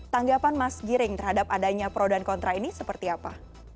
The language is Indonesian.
tanggapan mas giring terhadap adanya pro dan kontra ini seperti apa